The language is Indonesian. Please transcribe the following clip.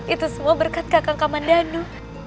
itu semua berkat kakang kakang mandano